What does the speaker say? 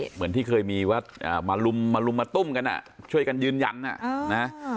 เหมือนที่เคยมีว่ามาลุมมาลุมมาตุ้มกันอ่ะช่วยกันยืนยันนะ